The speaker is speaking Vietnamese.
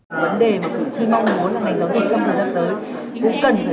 một vấn đề mà cử tri mong muốn là ngành giáo dục trong thời gian tới